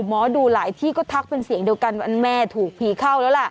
หมอดูหลายที่ก็ทักเป็นเสียงเดียวกันว่าแม่ถูกผีเข้าแล้วล่ะ